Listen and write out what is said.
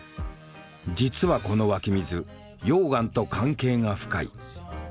実はこの湧き水溶岩と関係が深い。